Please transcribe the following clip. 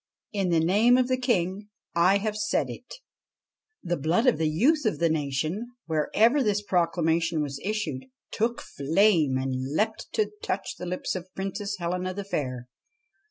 In the name of the King I have said it I ' The blood of the youth of the nation, wherever this proclamation was issued, took flame and leapt to touch the lips of Princess Helena the Fair.